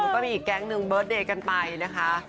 ก็มีอีกแก๊งหนึ่งเบิร์ดเดย์กันไปนะคะ